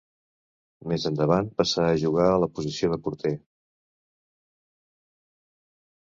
Més endavant passà a jugar a la posició de porter.